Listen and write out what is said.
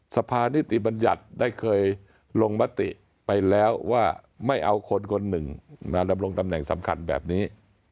สภานิติบัญญัติได้เคยลงมติไปแล้วว่าไม่เอาคนคนหนึ่งมาดำรงตำแหน่งสำคัญแบบนี้